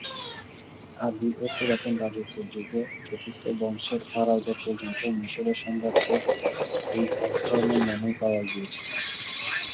আদি ও পুরাতন রাজত্বের যুগে চতুর্থ রাজবংশের ফারাওদের পর্যন্ত মিশরের সম্রাটদের এই একধরনের নামই পাওয়া গিয়েছে।